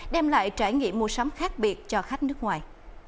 đem lại trải nghiệm mua sắm khác biệt cho khách nước ngoài